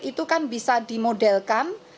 itu kan bisa dimodelkan